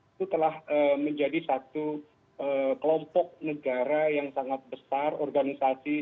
itu telah menjadi satu kelompok negara yang sangat besar organisasi